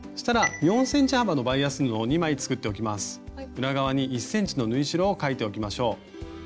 裏側に１ｃｍの縫い代を描いておきましょう。